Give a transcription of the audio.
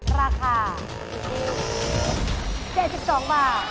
ราคา๗๒บาท